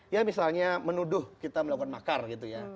ya misalnya menuduh kita melakukan makar gitu ya